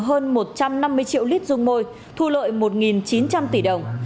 hơn một trăm năm mươi triệu lít dung môi thu lợi một chín trăm linh tỷ đồng